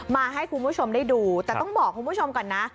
มาให้คุณผู้ชมได้ดูแต่ต้องบอกคุณผู้ชมก่อนนะ